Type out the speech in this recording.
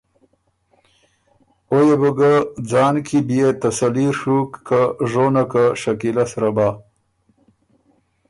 او يې بو ګۀ ځان کی بيې تسلي ڒُوک که ژونۀ که شکیلۀ سرۀ بۀ،